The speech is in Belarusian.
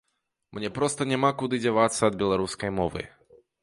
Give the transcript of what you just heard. Мне проста няма куды дзявацца ад беларускай мовы.